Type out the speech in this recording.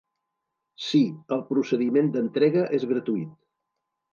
Sí, el procediment d'entrega és gratuït.